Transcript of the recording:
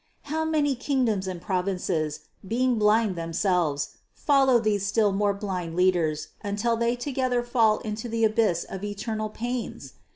How many kingdoms and provinces, being blind themselves, follow these still more blind leaders until they together fall into the abyss of eternal pains!